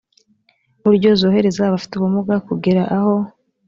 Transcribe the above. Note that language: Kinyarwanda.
buryo zorohereza abafite ubumuga kugera aho